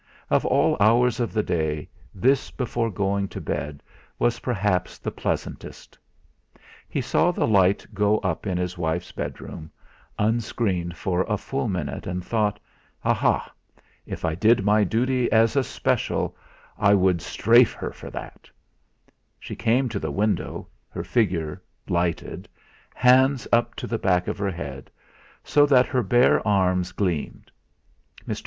Of all hours of the day, this before going to bed was perhaps the pleasantest. He saw the light go up in his wife's bed room, unscreened for a full minute, and thought: 'Aha! If I did my duty as a special, I should "strafe" her for that.' She came to the window, her figure lighted, hands up to the back of her head, so that her bare arms gleamed. Mr.